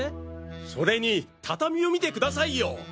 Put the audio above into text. それに畳を見てくださいよ！